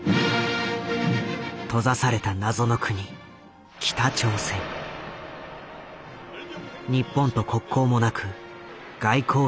閉ざされた謎の国日本と国交もなく外交力も及ばない。